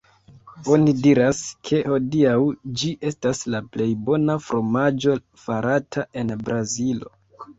Oni diras ke hodiaŭ ĝi estas la plej bona fromaĝo farata en Brazilo.